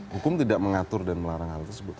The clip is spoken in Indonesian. hukum tidak mengatur dan melarang